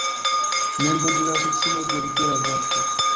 Membro de la Asocio de Libera Vorto.